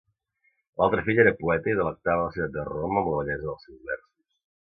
L'altre fill era poeta i delectava la ciutat de Roma amb la bellesa dels seus versos.